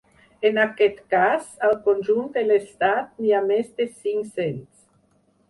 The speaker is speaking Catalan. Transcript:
En aquest cas al conjunt de l’estat n’hi ha més de cinc-cents.